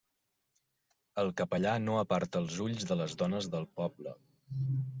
El capellà no aparta els ulls de les dones del poble.